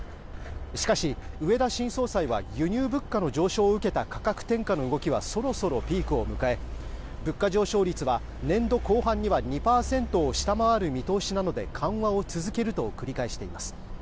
しかし植田新総裁は輸入物価の上昇を受けた価格転嫁の動きはそろそろピークを迎え物価上昇率は年度後半には２％を下回る見通しなので緩和を続けると繰り返しています。